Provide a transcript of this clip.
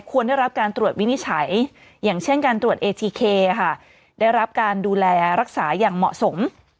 ได้รับการตรวจวินิจฉัยอย่างเช่นการตรวจเอทีเคค่ะได้รับการดูแลรักษาอย่างเหมาะสม